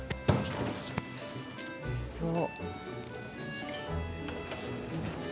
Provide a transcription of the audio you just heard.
おいしそう。